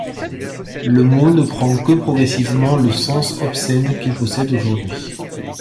Le mot ne prend que progressivement le sens obscène qu’il possède aujourd’hui.